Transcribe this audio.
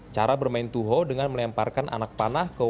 cara bermain tuho dengan melemparkan anak panah ke wadah